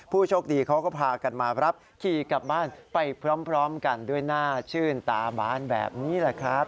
โชคดีเขาก็พากันมารับขี่กลับบ้านไปพร้อมกันด้วยหน้าชื่นตาบานแบบนี้แหละครับ